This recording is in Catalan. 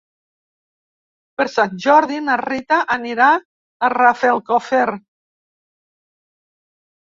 Per Sant Jordi na Rita anirà a Rafelcofer.